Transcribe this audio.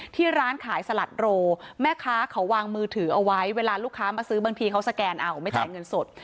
ที่ร้านขายสลัดโรแม่ค้าเขาวางมือถือเอาไว้เวลาลูกค้ามาซื้อบางทีเขาสแกนเอาไม่จ่ายเงินสด